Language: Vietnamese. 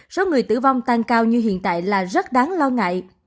số người tử vong tăng cao như hiện tại là rất đáng lo ngại